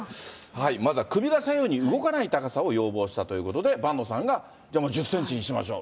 まずは首が左右に動かない高さを要望したということで、伴野さんが、じゃもう、１０センチにしましょう。